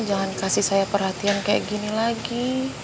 jangan kasih perhatian saya kayak gini lagi